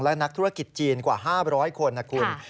และนักธุรกิจจีนกว่า๕๐๐คนนะคุณ